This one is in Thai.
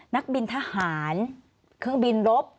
นักบินทหารเครื่องบินรบ